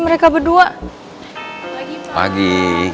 mereka berdua pagi pagi